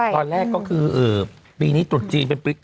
ตอนแรกก็คือปีนี้ตรุษจีนเป็นปี